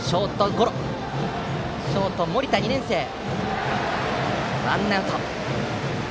ショートの森田がとってワンアウト。